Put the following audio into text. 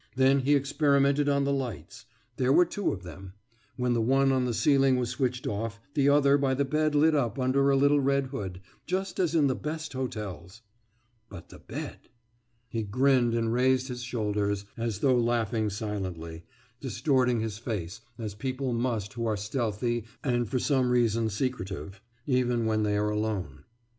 Then he experimented on the lights; there were two of them; when the one on the ceiling was switched off, the other by the bed lit up under a little red hood just as in the best hotels. But the bed! He grinned and raised his shoulders, as though laughing silently, distorting his face as people must who are stealthy and for some reason secretive, even when they are alone.